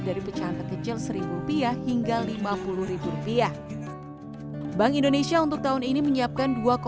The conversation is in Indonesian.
dari pecahan kecil seribu rupiah hingga lima puluh rupiah bank indonesia untuk tahun ini menyiapkan